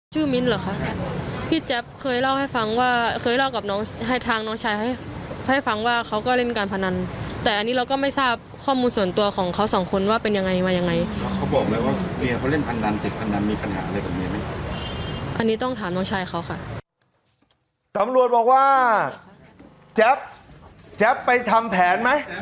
ตำรวจบอกว่าแจ๊บแจ๊บไปทำแผนไหม